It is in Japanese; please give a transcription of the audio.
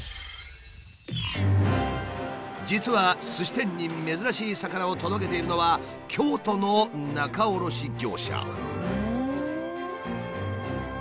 実はすし店に珍しい魚を届けているのは京都の仲卸業者。